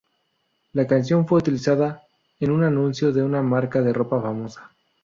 La canción fue utilizada en un anuncio de una marca de ropa famosa.